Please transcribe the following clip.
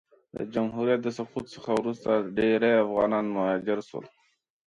د جمهوریت د سقوط څخه وروسته ډېری افغانان مهاجر سول.